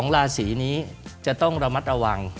ราศีนี้จะต้องระมัดระวัง